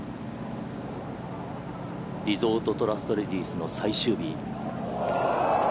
リゾートトラストレディスの最終日。